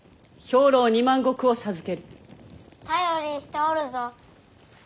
頼りにしておるぞ。